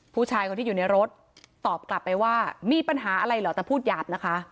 ผู้ชายคนที่อยู่ในรถตอบกลับไปว่ามีปัญหาอะไรเหรอแต่พูดหยาบนะคะ